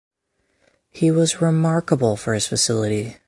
He was remarkable for his facility.